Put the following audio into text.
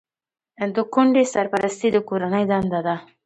د کونډې سرپرستي د کورنۍ دنده ده.